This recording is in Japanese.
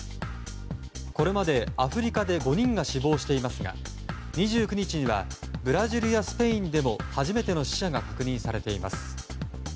これまでアフリカで５人が死亡していますが２９日にはブラジルやスペインでも初めての死者が確認されています。